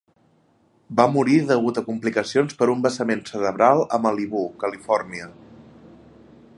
Va morir degut a complicacions per un vessament cerebral a Malibú, Califòrnia.